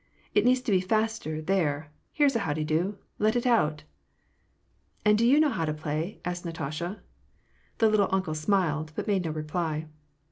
" It needs to be faster there — here's a how de do !— let it out !"" And do you know how to play ?" asked Natasha. The "little uncle" smiled, but made no reply.